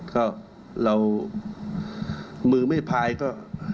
ก็เรามือไม่พายก็